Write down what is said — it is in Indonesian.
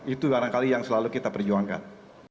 itu barangkali yang selalu kita perjuangkan